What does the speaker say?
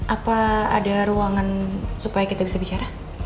apa ada ruangan supaya kita bisa bicara